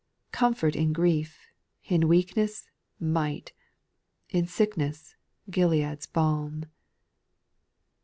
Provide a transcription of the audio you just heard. Comfort in grief! in weakness— might! In sickness — Gilead's balm.